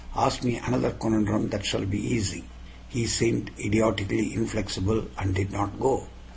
Ask me another conundrum that shall be easy." He seemed idiotically inflexible, and did not go.